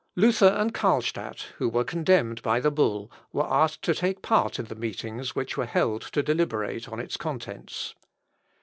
Luther and Carlstadt, who were condemned by the bull, were asked to take part in the meetings which were held to deliberate on its contents.